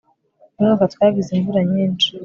uyu mwaka twagize imvura nyinshi